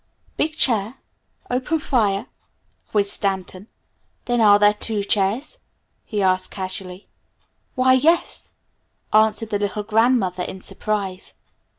"Big chair open fire?" quizzed Stanton. "Then, are there two chairs?" he asked casually. "Why, yes," answered the little grandmother in surprise.